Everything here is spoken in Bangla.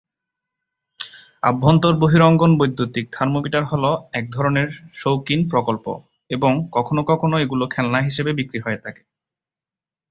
আভ্যন্তর-বহিরঙ্গণ বৈদ্যুতিক থার্মোমিটার হল এক ধরনের শৌখিন প্রকল্প এবং কখনও কখনও এগুলো খেলনা হিসেবে বিক্রি হয়ে থাকে।